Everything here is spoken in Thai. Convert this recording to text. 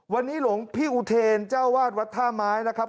วันนี้หลวงพี่อุเทรนเจ้าวาดวัดท่าไม้นะครับ